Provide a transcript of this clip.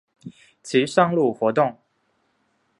其上路活动。